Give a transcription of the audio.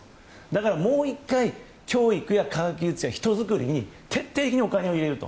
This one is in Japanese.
だからもう１回、教育や科学技術や人づくりに徹底的にお金を入れる。